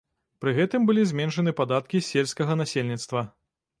Пры гэтым былі зменшаны падаткі з сельскага насельніцтва.